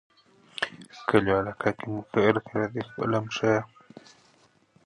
Hasselbeck also played on Xaverian's basketball team.